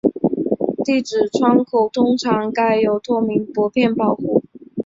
地址窗口通常盖有透明薄片保护。